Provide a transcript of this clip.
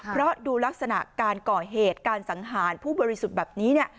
เพราะดูลักษณะการก่อเหตุการสังหารผู้บริสุทธิ์แบบนี้เนี่ย